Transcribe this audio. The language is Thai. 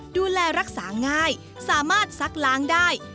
ดูแลรักษาง่ายสามารถซักล้างได้